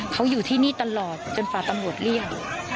เขาอยู่ที่นี่ตลอดจนฝากตำรวจเรียก